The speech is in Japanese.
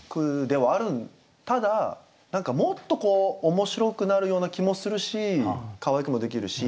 ただ何かもっと面白くなるような気もするしかわいくもできるし。